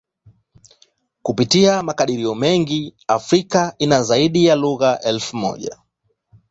Kupitia makadirio mengi, Afrika ina zaidi ya lugha elfu.